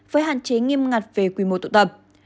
với hạn chế nghiêm ngặt về quy mô tụ tập